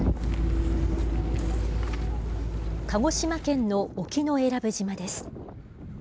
鹿児島県の沖永良部島です。